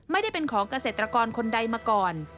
ไม่ได้เป็นของเกษตรกรคนใดมาก่อน